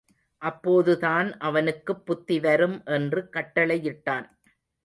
அப்போதுதான் அவனுக்குப் புத்தி வரும் என்று கட்டளையிட்டான்.